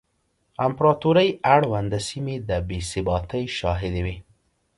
امپراتورۍ اړونده سیمې د بې ثباتۍ شاهدې وې